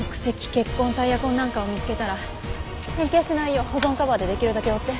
血痕タイヤ痕なんかを見つけたら変形しないよう保存カバーで出来るだけ覆って。